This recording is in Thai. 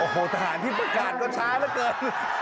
โอ้โหทหารที่ประกาศก็ช้าเหลือเกิน